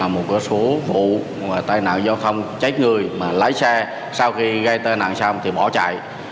một số vụ tai nạn giao thông chết người mà lái xe sau khi gây tai nạn xong thì bỏ chạy